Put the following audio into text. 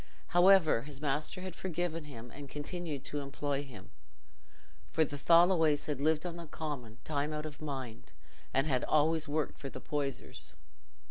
However, his master had forgiven him, and continued to employ him, for the Tholoways had lived on the Common time out of mind, and had always worked for the Poysers.